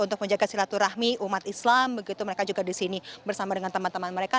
untuk menjaga silaturahmi umat islam begitu mereka juga di sini bersama dengan teman teman mereka